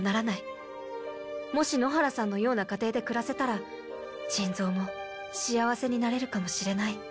もし野原さんのような家庭で暮らせたら珍蔵も幸せになれるかもしれない。